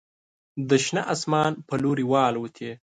د شنه اسمان په لوري والوتې